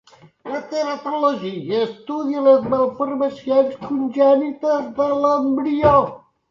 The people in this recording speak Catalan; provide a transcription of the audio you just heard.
La teratologia estudia les malformacions congènites de l'embrió.